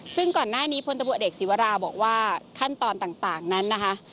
ซึ่งก่อนหน้านี้พลตำรวจเอกศิวราบอกว่าขั้นตอนต่างนั้นนะคะ